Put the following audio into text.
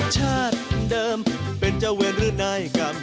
ชาติเดิมเป็นเจ้าเวรหรือนายกรรม